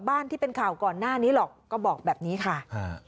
ที่เป็นข่าวก่อนหน้านี้หรอกก็บอกแบบนี้ค่ะฮะ